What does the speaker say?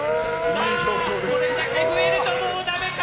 さあ、これだけ増えるともうダメか！